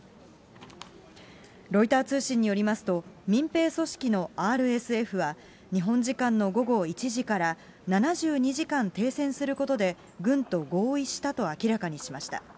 ロイター通信によりますと、民兵組織のＲＳＦは、日本時間の午後１時から、７２時間停戦することで、軍と合意したと明らかにしました。